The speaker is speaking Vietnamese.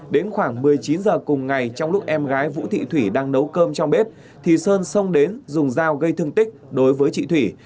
đến khoảng một mươi chín h cùng ngày trong lúc em gái vũ thị thủy đang nấu cơm trong bếp thì sơn xông đến dùng dao gây thương tích đối với chị thủy